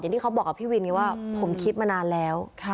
ที่เขาบอกกับพี่วินไงว่าผมคิดมานานแล้ว